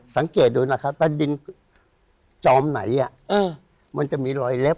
สังเกตดูนะครับว่าดินจอมไหนมันจะมีรอยเล็บ